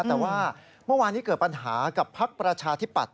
แต่ว่าเมื่อวานนี้เกิดปัญหากับพักประชาธิปัตย